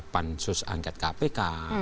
pansus angket kpk